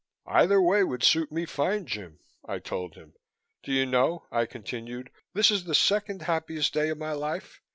"Either way would suit me fine, Jim," I told him. "Do you know," I continued, "this is the second happiest day of my life.